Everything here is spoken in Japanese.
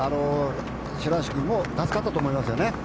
白石君も助かったと思いますね。